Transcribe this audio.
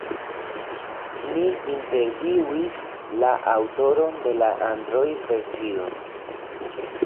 Ni intervjuis la aŭtoron de la Android-versio.